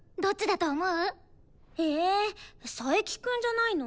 え佐伯くんじゃないの？